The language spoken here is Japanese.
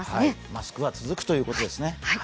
マスクは続くということですね。